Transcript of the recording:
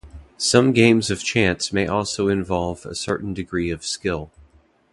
Some games of chance may also involve a certain degree of skill.